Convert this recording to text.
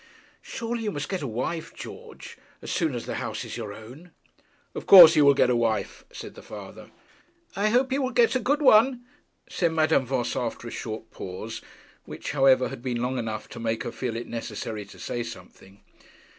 'Surely you must get a wife, George, as soon as the house is your own.' 'Of course he will get a wife,' said the father. 'I hope he will get a good one,' said Madame Voss after a short pause which, however, had been long enough to make her feel it necessary to say something.